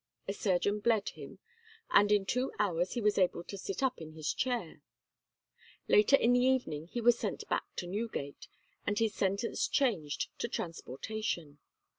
A surgeon bled him, and in two hours he was able to sit up in his chair. Later in the evening he was sent back to Newgate, and his sentence changed to transportation.